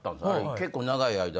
結構長い間。